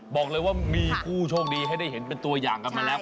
บอกเลยว่ามีผู้โชคดีให้ได้เห็นเป็นตัวอย่างกันมาแล้ว